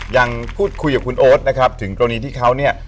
ยังพูดคุยกับคุณโอ๊ตนะครับถึงกรณีที่เขาเนี่ย